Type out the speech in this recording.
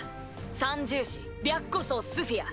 三獣士白虎爪スフィア。